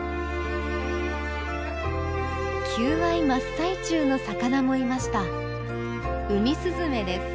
求愛真っ最中の魚もいました。